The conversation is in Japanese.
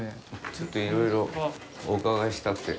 ちょっといろいろお伺いしたくて。